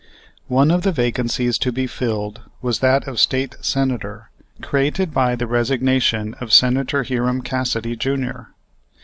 One of the vacancies to be filled was that of State Senator, created by the resignation of Senator Hiram Cassidy, Jr.